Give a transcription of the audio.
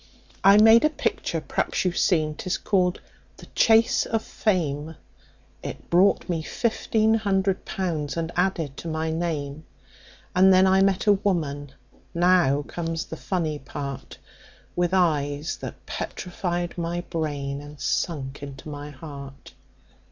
"I made a picture perhaps you've seen, 'tis called the `Chase of Fame.' It brought me fifteen hundred pounds and added to my name, And then I met a woman now comes the funny part With eyes that petrified my brain, and sunk into my heart.